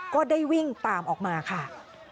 ก็ได้วิ่งตามออกมาค่ะ